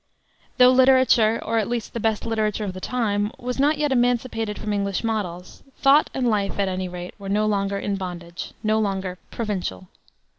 Though literature or at least the best literature of the time was not yet emancipated from English models, thought and life, at any rate, were no longer in bondage no longer provincial.